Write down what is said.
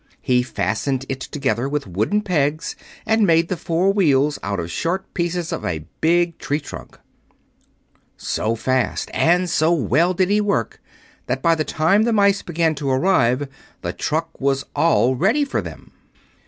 He fastened it together with wooden pegs and made the four wheels out of short pieces of a big tree trunk. So fast and so well did he work that by the time the mice began to arrive the truck was all ready for them.